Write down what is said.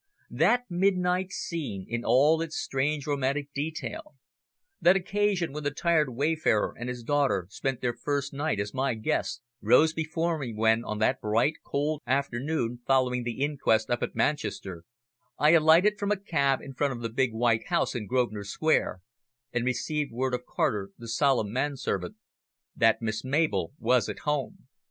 That midnight scene in all its strange, romantic detail, that occasion when the tired wayfarer and his daughter spent their first night as my guests, rose before me when, on that bright, cold afternoon following the inquest up at Manchester, I alighted from a cab in front of the big white house in Grosvenor Square, and received word of Carter, the solemn manservant, that Miss Mabel was at home.